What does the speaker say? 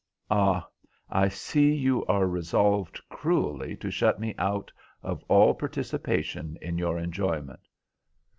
"Ah, I see you are resolved cruelly to shut me out of all participation in your enjoyment."